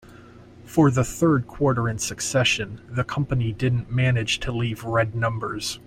For the third quarter in succession, the company didn't manage to leave red numbers.